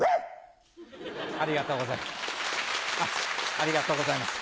ありがとうございます。